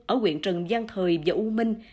ở quyện trần giang thời và u minh